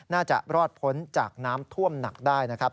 น่าจะรอดพ้นจากน้ำท่วมหนักได้นะครับ